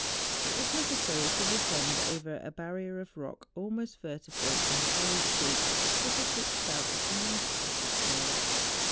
It was ne¬ cessary to descend over a barrier of rock almost vertical and very steep, at the foot of which fell a beautiful cascade.